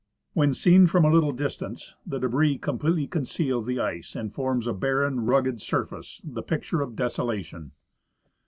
When seen from a little distance the debris completely conceals the ice and forms a barren, rugged surface, the picture of desola tion.